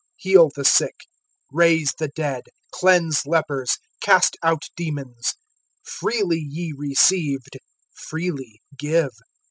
(8)Heal the sick, raise the dead[10:8], cleanse lepers, cast out demons. Freely ye received, freely give.